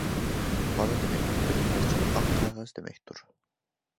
بالا دېمەك بىر پارچە ئاق قەغەز دېمەكتۇر.